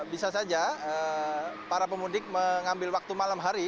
bisa saja para pemudik mengambil waktu malam hari